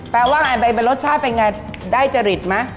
แปลว่ารสชาติเป็นไงได้จริตไหม